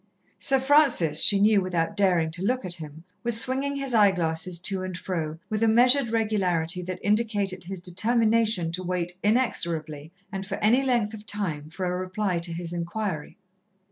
Sir Francis, she knew without daring to look at him, was swinging his eye glasses to and fro, with a measured regularity that indicated his determination to wait inexorably and for any length of time for a reply to his inquiry.